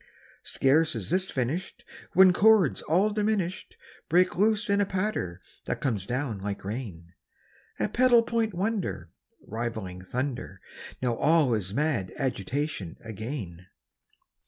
Scarce is this finished When chords all diminished Break loose in a patter that comes down like rain, A pedal point wonder Rivaling thunder. Now all is mad agitation again.